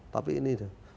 tapi ini deh